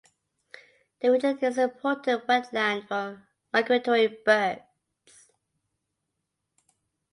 The region is an important wetland for migratory birds.